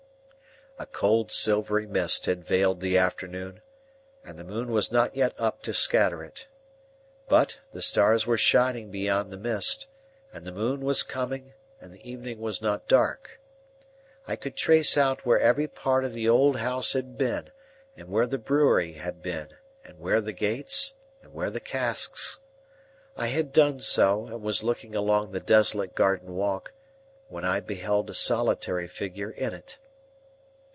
A cold silvery mist had veiled the afternoon, and the moon was not yet up to scatter it. But, the stars were shining beyond the mist, and the moon was coming, and the evening was not dark. I could trace out where every part of the old house had been, and where the brewery had been, and where the gates, and where the casks. I had done so, and was looking along the desolate garden walk, when I beheld a solitary figure in it.